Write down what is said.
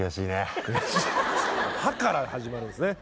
「は」から始まるんすね。